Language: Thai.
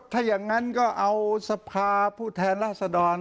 ถ้าอย่างงั้นก็เอาศาพหาผู้แทนอาศดรม